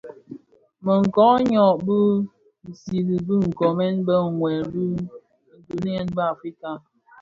Më koň ňyô bi siri bë nkoomèn bë, wuèl wu ndiňyèn bi Africa.